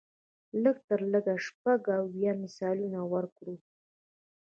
لږ تر لږه شپږ اووه مثالونه ورکړو.